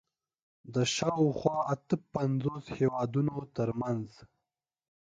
د شاوخوا اته پنځوس هېوادونو تر منځ